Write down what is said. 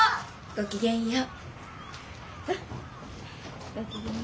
ごきげんよう。